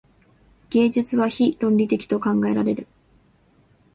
芸術は非論理的と考えられる。